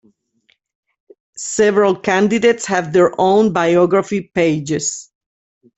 Several candidates have their own biography pages.